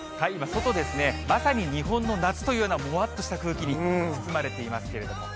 外ですね、まさに日本の夏というような、もわっとした空気に包まれていますけれども。